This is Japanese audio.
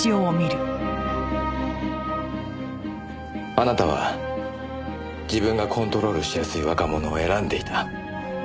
あなたは自分がコントロールしやすい若者を選んでいた。